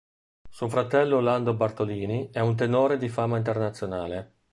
Suo fratello Lando Bartolini è un tenore di fama internazionale.